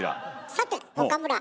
さて岡村。